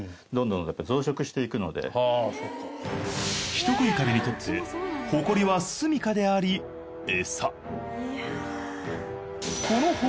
人食いカビにとってホコリは住みかでありエサ。